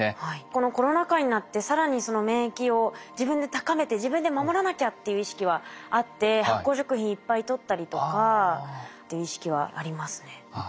このコロナ禍になって更にその免疫を自分で高めて自分で守らなきゃっていう意識はあって発酵食品いっぱいとったりとかっていう意識はありますね。